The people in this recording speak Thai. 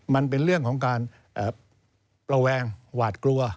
มันเป็นเรื่องของการระแวงหวาดกลัว